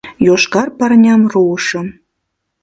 Йошкар пырням руышым